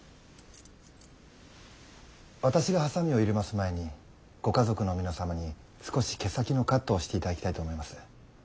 私がはさみを入れます前にご家族の皆様に少し毛先のカットをしていただきたいと思います。